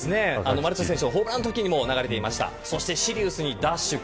丸田選手のホームランのときにも流れていました。